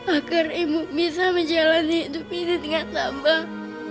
agar ibu bisa menjalani hidup ini tingkat tambah